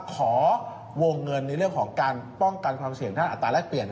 ขอวงเงินในการป้องกันความเสี่ยงของการอัตราละเอียด